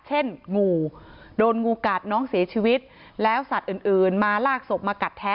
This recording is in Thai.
เช่นงูโดนงูกัดน้องเสียชีวิตแล้วสัตว์อื่นมาลากศพมากัดแท้